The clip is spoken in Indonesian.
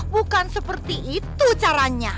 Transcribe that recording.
bukan seperti itu caranya